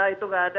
itu tidak ada